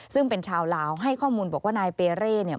ซึ่งเป็นชาวลาวให้ข้อมูลบอกว่านายเปเร่เนี่ย